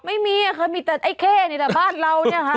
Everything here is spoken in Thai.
ไม่มีค่ะมีแต่ไอ้เข้ในแต่บ้านเราเนี่ยค่ะ